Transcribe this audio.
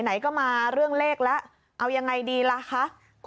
ไหนก็มาเรื่องเลขแล้วเอายังไงดีล่ะคะ